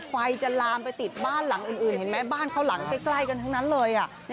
ไฟจะลามไปติดบ้านหลังอื่นเห็นไหมบ้านเขาหลังใกล้กันทั้งนั้นเลย